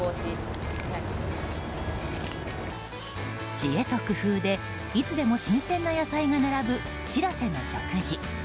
知恵と工夫でいつでも新鮮な野菜が並ぶ「しらせ」の食事。